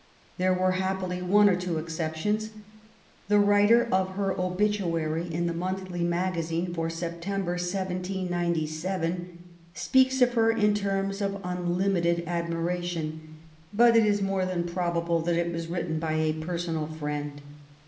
There were happily one or two exceptions. The writer of her obituary in the Monthly Magazine for September, 1797, speaks of her in terms of unlimited admiration, but it is more than probable that it was written by a personal friend.